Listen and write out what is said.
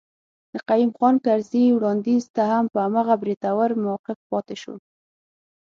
د قيوم خان کرزي وړانديز ته هم په هماغه بریتور موقف پاتي شو.